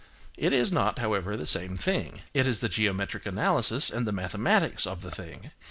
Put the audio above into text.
It is not, however, the same thing. It is the geometric analysis and the mathematics of the thing.